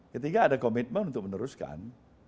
ketiga ada komitmen untuk meneruskan